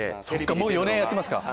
もう４年やってますか。